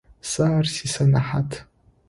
Сэ ар сисэнэхьат.